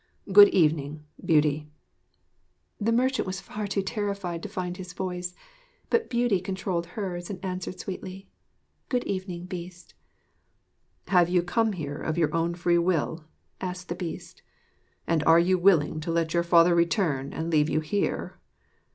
Good evening, Beauty!' The merchant was too far terrified to find his voice; but Beauty controlled hers and answered sweetly: 'Good evening, Beast!' 'Have you come here of your own free will?' asked the Beast. 'And are you willing to let your father return and leave you here?'